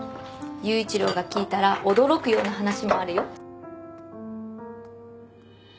裕一郎が聞いたら驚くような話もあるよ。